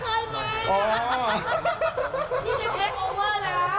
อันนี้เจ้าของเหรอ